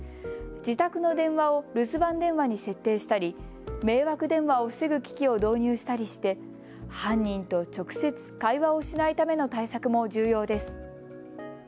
自宅の電話を留守番電話に設定したり迷惑電話を防ぐ機器を導入したりして犯人と直接会話をしないための対策も重要です。